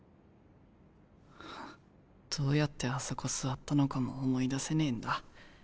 ハハッどうやってあそこ座ったのかも思い出せねえんだ。